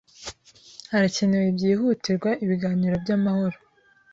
Harakenewe byihutirwa ibiganiro byamahoro.